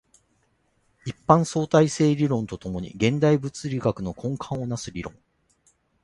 一般相対性理論と共に現代物理学の根幹を成す理論